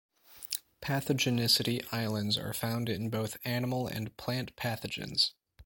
Pathogenicity islands are found in both animal and plant pathogens.